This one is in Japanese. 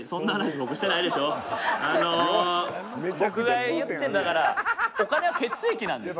僕が言っているのはお金は血液なんですよ。